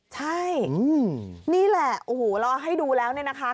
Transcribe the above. ใช่นี่แหละโอ้โหเราให้ดูแล้วเนี่ยนะคะ